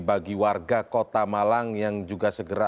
bagi warga kota malang yang juga segera